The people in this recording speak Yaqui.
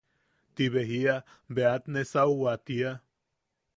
Tibe jia bea at nesauwaʼu tia.